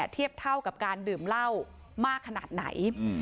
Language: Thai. เทียบเท่ากับการดื่มเหล้ามากขนาดไหน